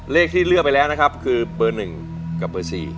เลขที่เลือกไปแล้วนะครับคือเบอร์๑กับเบอร์๔